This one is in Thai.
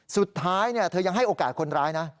สุดท้ายเธอยังให้โอกาสคนร้ายนะ